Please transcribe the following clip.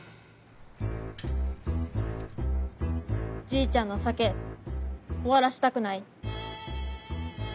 じいちゃんの酒終わらしたくない。